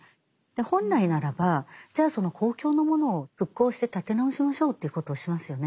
本来ならばじゃあその公共のものを復興して立て直しましょうということをしますよね。